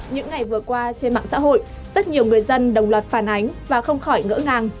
những ngày vừa qua trên mạng xã hội rất nhiều người dân đồng loạt phản ánh và không khỏi ngỡ ngàng